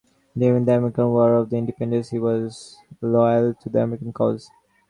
During the American War of Independence he was loyal to the American cause.